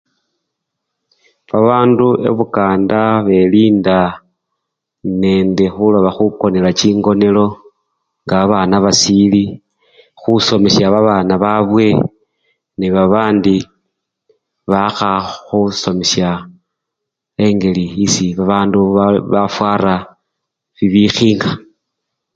Babandu ebukanda belinda nende khuloba khukonela chingonelo nga babana basili, khusomesya babana babwe nebabandi bakha khusomesya engeli esii babandu ba! bafwara bibikhindu.